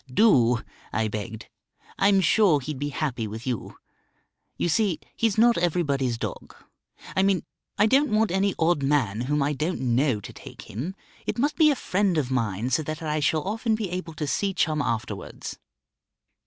"Do," I begged, "I'm sure he'd be happy with you. You see, he's not everybody's dog; I mean I don't want any odd man whom I don't know to take him. It must be a friend of mine, so that I shall often be able to see Chum afterwards."